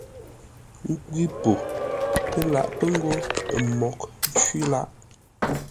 Kwʉ̌ po, pə́ laʼ pə́ ngô ə́ mǒghʼ cwí lâʼ.